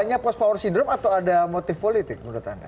hanya post power syndrome atau ada motif politik menurut anda